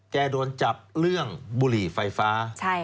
โดนจับเรื่องบุหรี่ไฟฟ้า